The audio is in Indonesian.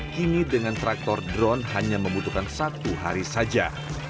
kini dengan traktor drone hanya membutuhkan satu hari saja